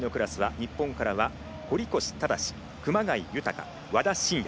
日本からは堀越信司熊谷豊、和田伸也。